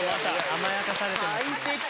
甘やかされてますね。